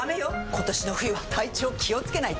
今年の冬は体調気をつけないと！